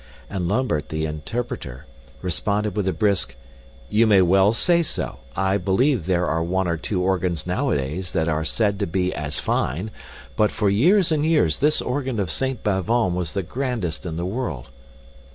And Lambert, the interpreter, responded with a brisk "You may well say so. I believe there are one or two organs nowadays that are said to be as fine; but for years and years this organ of Saint Bavon was the grandest in the world."